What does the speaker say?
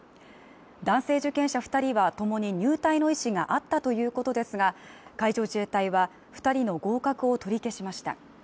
男性受験者２人は共に入隊の意思があったということですが、海上自衛隊は２人の合格を取り消しました。